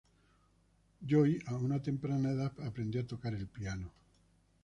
Joy a una temprana edad aprendió a tocar el piano.